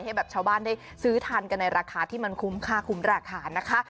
ให้แบบชาวบ้านได้ซื้อทานกันในราคาที่มันคุ้มค่าคุ้มราคานะคะ